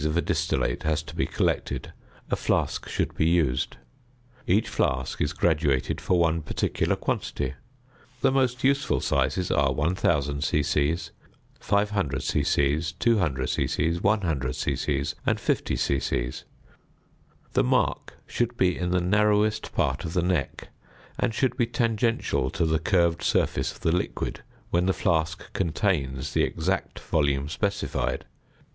of a distillate has to be collected, a flask should be used. Each flask is graduated for one particular quantity; the most useful sizes are 1000 c.c., 500 c.c., 200 c.c., 100 c.c., and 50 c.c. The mark should be in the narrowest part of the neck, and should be tangential to the curved surface of the liquid when the flask contains the exact volume specified.